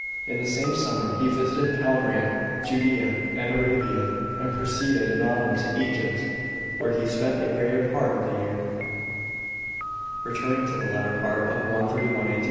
In the same summer he visited Palmyra, Judea, and Arabia, and proceeded in autumn to Egypt, where he spent the greater part of a year, returning in the later part of 131 A.